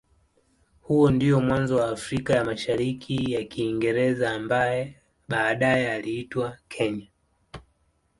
Huo ndio mwanzo wa Afrika ya Mashariki ya Kiingereza ambaye baadaye iliitwa Kenya.